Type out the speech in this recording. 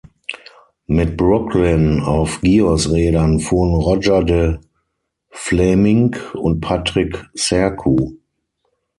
Mit Brooklyn auf Gios-Rädern fuhren Roger De Vlaeminck und Patrick Sercu.